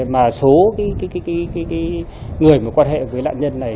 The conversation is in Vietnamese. mà số người mà quan hệ với nạn nhân này